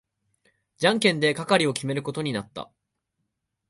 じゃんけんで係を決めることになった。